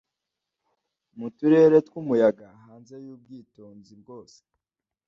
Mu turere twumuyaga Hanze yubwitonzi bwose